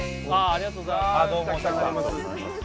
ありがとうございます